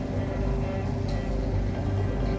เห็นพี่เมาหรอ